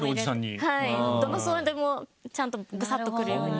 どの層でもちゃんとグサっとくるように。